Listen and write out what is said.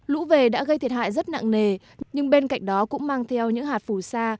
lũ về đã gây thiệt hại rất nặng nề nhưng bên cạnh đó cũng mang theo những hạt phù sa